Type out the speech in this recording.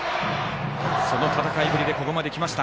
その戦いぶりでここまできました